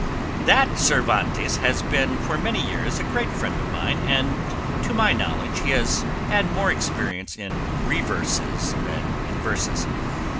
"That Cervantes has been for many years a great friend of mine, and to my knowledge he has had more experience in reverses than in verses.